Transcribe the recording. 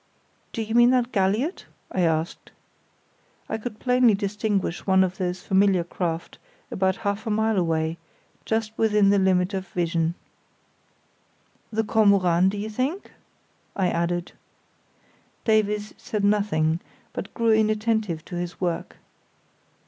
"Do you mean that galliot?" I asked. I could plainly distinguish one of those familiar craft about half a mile away, just within the limit of vision. "The Kormoran, do you think?" I added. Davies said nothing, but grew inattentive to his work.